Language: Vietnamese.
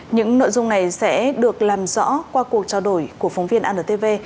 những nội dung này sẽ được làm rõ qua cuộc trao đổi của phóng viên antv